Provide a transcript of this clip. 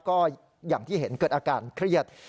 ก็อย่างที่เห็นเกิดอาการเครียด